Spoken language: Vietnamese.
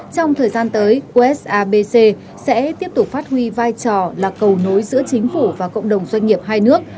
trong thời gian tới usabc sẽ tiếp tục phát huy vai trò là cầu nối giữa chính phủ và cộng đồng doanh nghiệp hai nước